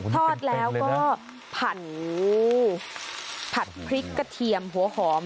ทอดแล้วก็ผัดพริกกระเทียมหัวหอม